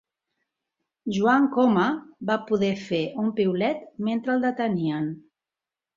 Joan Coma va poder fer un piulet mentre el detenien